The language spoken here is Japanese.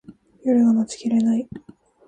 夜が待ちきれない